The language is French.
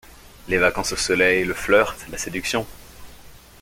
Les vacances au soleil, le flirt, la séduction.